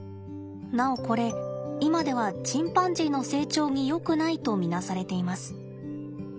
なおこれ今ではチンパンジーの成長によくないと見なされています。